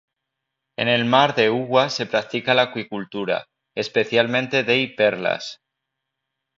En el Mar de Uwa se practica la acuicultura, especialmente de y perlas.